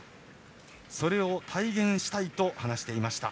それを体現したいと話していました。